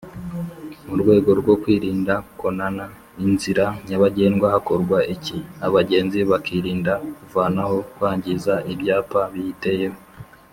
murwego rwo kwirinda konana inzira nyabagendwa hakorwa iki?abagenzi bakirinda kuvanaho, kwangiza, Ibyapa biyiteyeho